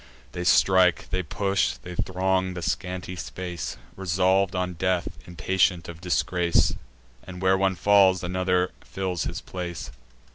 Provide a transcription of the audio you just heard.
They strike, they push, they throng the scanty space, Resolv'd on death, impatient of disgrace; And, where one falls, another fills his place.